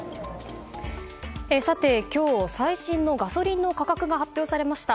さて今日、最新のガソリンの価格が発表されました。